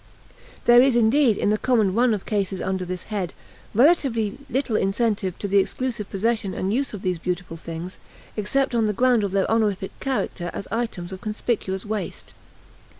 There is, indeed, in the common run of cases under this head, relatively little incentive to the exclusive possession and use of these beautiful things, except on the ground of their honorific character as items of conspicuous waste.